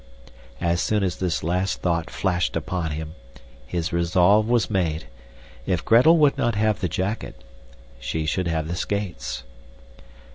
As soon as this last thought flashed upon him, his resolve was made. If Gretel would not have the jacket, she should have the skates.